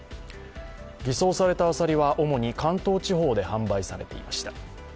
偽装されたアサリは主に関東地方で販売されていました。